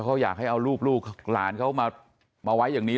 เขาอยากให้เอารูปลูกหลานเขามาไว้อย่างนี้